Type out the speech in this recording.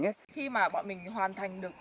khi mà bọn mình hoàn thành được